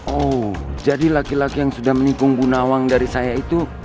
oh jadi laki laki yang sudah menikung gunawang dari saya itu